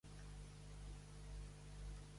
Quants anys tenia Walsh llavors?